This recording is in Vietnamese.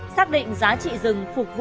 xác định giá trị rừng phục vụ